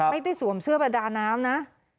ไม่ได้สวมเสื้อประดาน้ำนะ